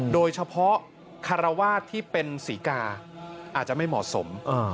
โดยเฉพาะคารวาสที่เป็นศรีกาอาจจะไม่เหมาะสม